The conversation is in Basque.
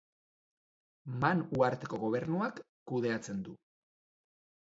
Man Uharteko gobernuak kudeatzen du.